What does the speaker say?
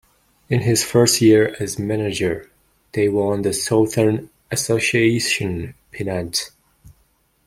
In his first year as manager, they won the Southern Association pennant.